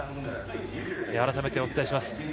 改めてお伝えします。